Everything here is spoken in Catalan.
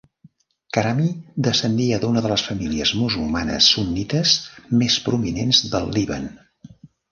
Karami descendia d'una de les famílies musulmanes sunnites més prominents del Líban.